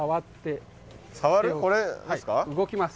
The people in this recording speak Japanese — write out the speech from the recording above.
動きます。